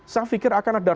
saya pikir akan ada